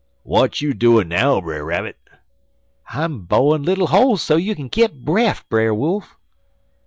"'W'at you doin' now, Brer Rabbit?' "'I'm bo'in' little holes so you kin get bref, Brer Wolf.'